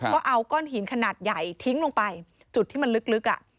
ก็เอาก้อนหินขนาดใหญ่ทิ้งลงไปจุดที่มันลึก